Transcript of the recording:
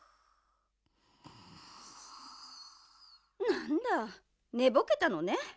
なんだねぼけたのね。